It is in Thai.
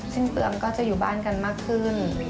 ซึ่งเปลืองก็จะอยู่บ้านกันมากขึ้น